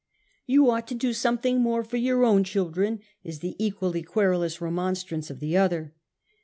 ' You ought to do some thing more for your own children,' is, the equally querulous remonstrance of the other.